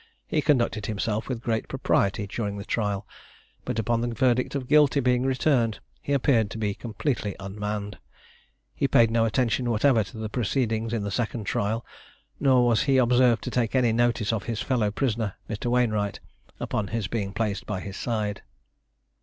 He conducted himself with great propriety during the trial, but upon the verdict of Guilty being returned he appeared to be completely unmanned. He paid no attention whatever to the proceedings in the second trial, nor was he observed to take any notice of his fellow prisoner, Mr. Wainewright, upon his being placed by his side.